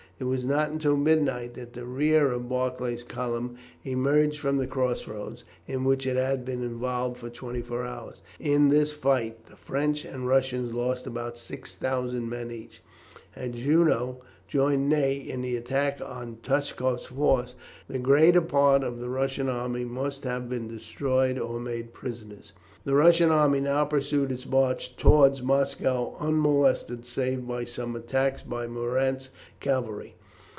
It was not until midnight that the rear of Barclay's column emerged from the cross road, in which it had been involved for twenty four hours. In this fight the French and Russians lost about 6000 men each. Had Junot joined Ney in the attack on Touchkoff's force the greater part of the Russian army must have been destroyed or made prisoners. The Russian army now pursued its march towards Moscow unmolested save by some attacks by Murat's cavalry.